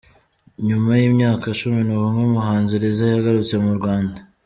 Nyuma y’imyaka Cumi Numwe umuhanzi Liza yaragarutse mu Rwanda